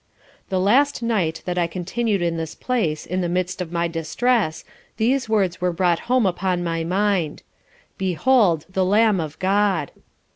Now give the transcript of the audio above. The last night that I continued in this place, in the midst of my distress these words were brought home upon my mind, _"Behold the Lamb of God."